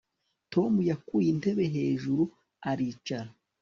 Tom yakuye intebe hejuru aricara